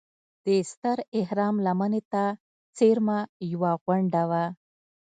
دې ستر اهرام لمنې ته څېرمه یوه غونډه وه.